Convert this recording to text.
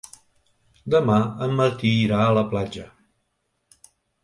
Demà en Martí irà a la platja.